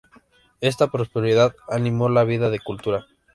Esta prosperidad animó la vida cultural.